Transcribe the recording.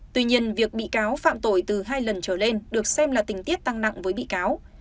tuy nhiên việc bị cáo phạm tội từ hai lần trở lên được xem là tình tiết tăng nặng với bị cáo